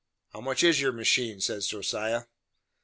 "How much is your machine?" says Josiah.